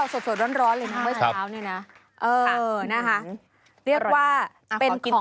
ไซส์ลำไย